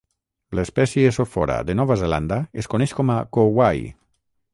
L'espècie "Sophora" de Nova Zelanda es coneix com a "Kowhai".